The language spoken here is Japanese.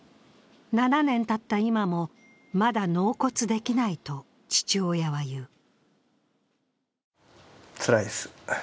７年たった今もまだ納骨できないと父親は言う。